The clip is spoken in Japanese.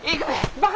バカ！